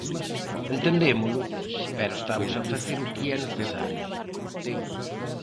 Entendémolo, pero estamos a facer o que é necesario.